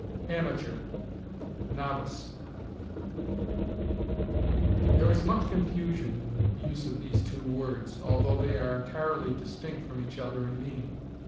AMATEUR NOVICE. There is much confusion in the use of these two words, although they are entirely distinct from each other in meaning.